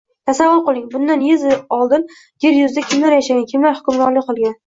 Tasavvur qiling: bundan yuz yil oldin yer yuzida kimlar yashagan, kimlar hukmronlik qilgan?